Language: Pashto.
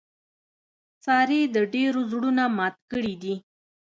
سارې د ډېرو زړونه مات کړي دي.